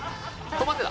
止まってた。